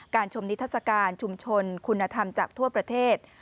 ชมนิทัศกาลชุมชนคุณธรรมจากทั่วประเทศ